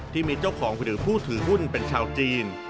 ที่มีเจ้าของหรือผู้ถือหุ้นเป็นชาวจีน